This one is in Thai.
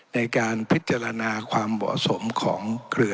ในการพิจารณาความเหมาะสมของเครือ